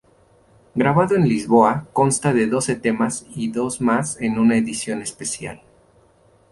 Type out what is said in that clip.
Grabado en Lisboa, consta de doce temas y dos más en una edición especial.